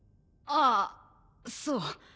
ああそう。